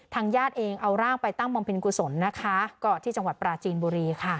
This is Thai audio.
ญาติเองเอาร่างไปตั้งบำเพ็ญกุศลนะคะก็ที่จังหวัดปราจีนบุรีค่ะ